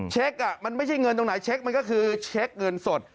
เช็คมันไม่ใช่เงินตรงไหนเช็คมันก็คือเช็คเงินสด